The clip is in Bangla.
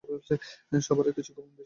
সবারই কিছু গোপন বিষয় থাকে।